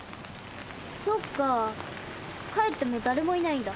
そっかー帰ってもだれもいないんだ。